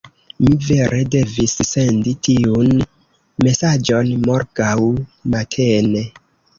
Mi vere devis sendi tiun mesaĝon morgaŭ matene.